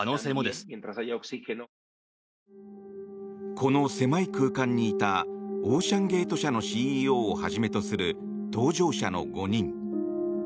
この狭い空間にいたオーシャン・ゲート社のＣＥＯをはじめとする搭乗者の５人。